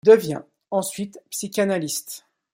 Il devient ensuite psychanalyste.